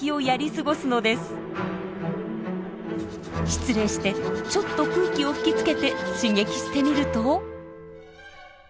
失礼してちょっと空気を吹きつけて刺激してみると。